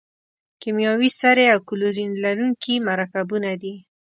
کیمیاوي سرې او کلورین لرونکي مرکبونه دي.